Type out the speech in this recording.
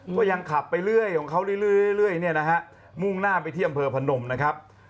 ก็ยังขับไปเรื่อยของเขาเรื่อยเนี่ยนะฮะมุ่งหน้าไปที่อำเภอพนมนะครับ